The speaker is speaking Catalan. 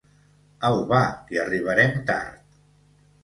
Au va que arribarem tard!